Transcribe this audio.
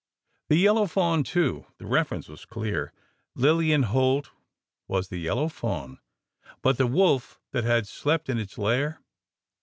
The "yellow fawn," too. The reference was clear; Lilian Holt was the yellow fawn. But the wolf that had "slept in its lair"?